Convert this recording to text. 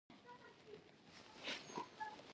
سړک ته باید درناوی وشي.